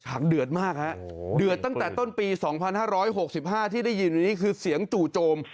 ฉันเดือดมากฮะเดือดตั้งแต่ต้นปีสองพันห้าร้อยหกสิบห้าที่ได้ยินวันนี้คือเสียงจู่โจม